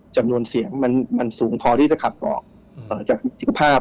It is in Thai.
จำนวนเสียงมันสูงพอที่จะขับออกจากภาพ